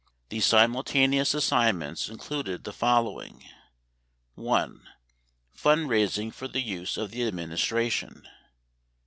These simultaneous assignments included the following : 1. Fundraising for the use of the administration ; 2.